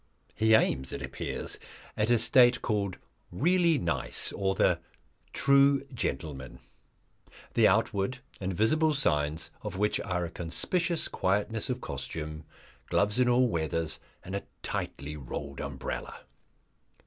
He aims, it appears, at a state called "Really Nice" or the "True Gentleman," the outward and visible signs of which are a conspicuous quietness of costume, gloves in all weathers, and a tightly rolled umbrella.